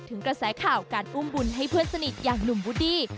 กระแสข่าวการอุ้มบุญให้เพื่อนสนิทอย่างหนุ่มบูดดี้